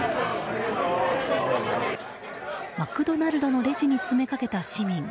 マクドナルドのレジに詰めかけた市民。